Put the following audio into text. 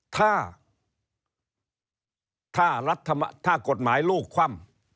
ถ้ากฎหมายลูกคว่ำ